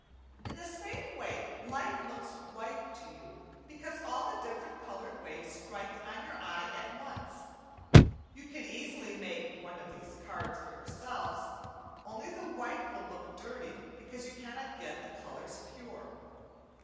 In the same way light looks white to you, because all the different coloured waves strike on your eye at once. You can easily make on of these card for yourselves only the white will always look dirty, because you cannot get the colours pure.